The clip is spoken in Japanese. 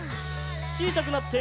ちいさくなって。